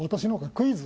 クイズ！